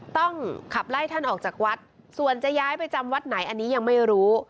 ต้องขับไล่ท่านออกจากวัดส่วนจะย้ายไปจำวัดไหนอันนี้ยังไม่รู้